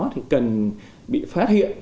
thì cần bị phát hiện